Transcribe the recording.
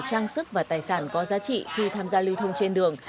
trang sức và tài sản có giá trị khi tham gia lưu thông trên đường